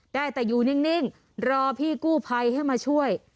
ได้แต่อยู่นิ่งรอพี่กู้ภัยให้มาช่วย